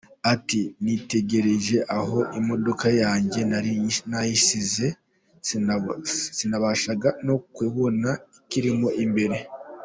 Ati “Nitegereje aho imodoka yanjye nari nayisize, sinabashaga no kubona ikirimo imbere.